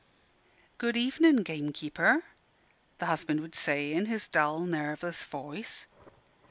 "Good evenin', gamekeeper," the husband would say in his dull, nerveless voice.